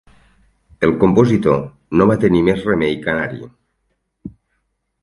El compositor no va tenir més remei que anar-hi.